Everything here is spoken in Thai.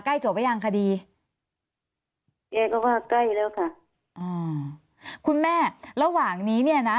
ใกล้จบไปยังคดีเอ๊ก็ว่าใกล้แล้วค่ะอืมคุณแม่ระหว่างนี้เนี่ยนะ